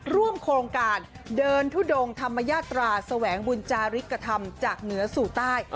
ร่วมโครงการเดินทุดงธรรมญาตราแสวงบุญจาริกธรรมจากเหนือสู่ใต้